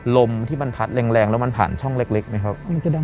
ลมที่มันพัดแรงแล้วมันผ่านช่องเล็กไหมครับ